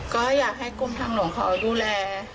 ก็อยากให้กรมทางหลวงเขาดูแล